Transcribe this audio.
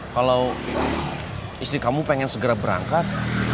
kalau istri kamu pengen segera berangkat